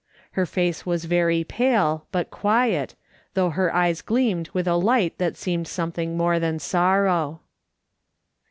Her face was very pale, but quiet, though her eyes gleamed with a light that seemed something more than sorrow.